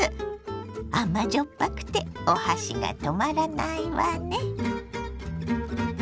甘じょっぱくてお箸が止まらないわね。